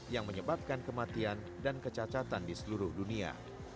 yang menyebabkan kematian dan kecacatan di seluruh dunia